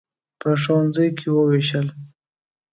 په ښوونځیو کې ووېشل.